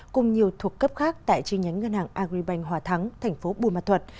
cùng nhiều thuộc cấp khác tại chi nhánh ngân hàng agribank hòa thắng thành phố bùi mạ thuật